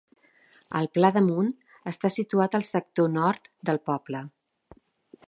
El Pla d’Amunt està situat al sector nord del poble.